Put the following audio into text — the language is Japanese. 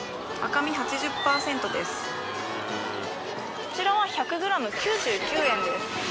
こちらは１００ｇ９９円です。